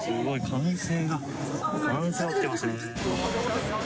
歓声が、歓声が起きてますね。